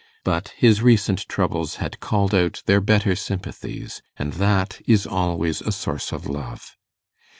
But his recent troubles had called out their better sympathies, and that is always a source of love.